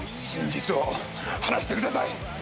真実を話してください！